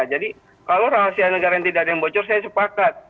jadi kalau rahasia negara yang tidak ada yang bocor saya sepakat